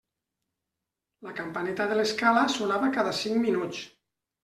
La campaneta de l'escala sonava cada cinc minuts.